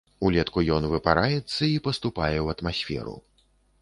Улетку ён выпараецца і паступае ў атмасферу.